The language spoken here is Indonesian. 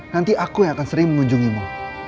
nanti aku yang akan sering mengunjungimu